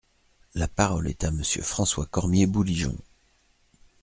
La parole est à Monsieur François Cormier-Bouligeon.